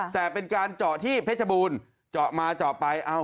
แต่เป็นการเจาะที่เพชรบูรณ์เจาะมาเจาะไป